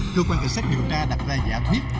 cơ quan cảnh sát điều tra đặt ra giả thuyết